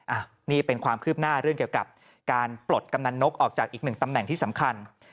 อันนี้เป็นความคืบหน้าเรื่องเกี่ยวกับการปลดกำนันนกออกจากอีกหนึ่งตำแหน่งที่สำคัญ